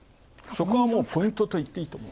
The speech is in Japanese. そこがポイントといってもいい。